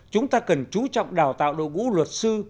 chúng ta cần chú trọng đào tạo đội ngũ luật sư